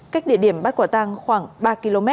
cách địa điểm bắt quả tăng khoảng ba km